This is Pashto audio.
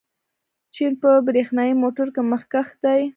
چین په برېښنايي موټرو کې مخکښ دی.